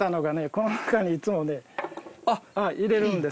この中にいつも入れるんです。